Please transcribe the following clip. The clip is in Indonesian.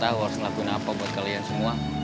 nggak tau harus ngelakuin apa buat kalian semua